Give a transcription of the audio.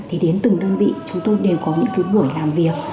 thì đến từng đơn vị chúng tôi đều có những buổi làm việc